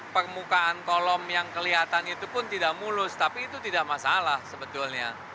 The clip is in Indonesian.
permukaan kolom yang kelihatan itu pun tidak mulus tapi itu tidak masalah sebetulnya